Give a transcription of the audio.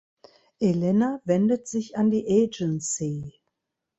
Elena wendet sich an die "Agency".